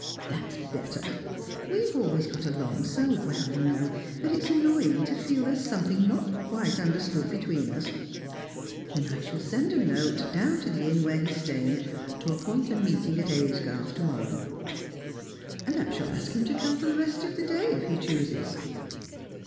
"That's better. We've always got along so well, you know, that it's annoying to feel there's something not quits understood between us. Then I shall send a note down to the inn where he's staying, to appoint a meeting at Aysgarth to morrow. And I shall ask him to come here for the rest of the day, if he chooses."